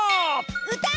うた！